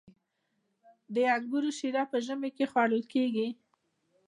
د انګورو شیره په ژمي کې خوړل کیږي.